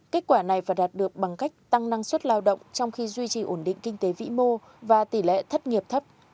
kết quả này phải đạt được bằng cách tăng năng suất lao động trong khi duy trì ổn định kinh tế vĩ mô và tỷ lệ thất nghiệp thấp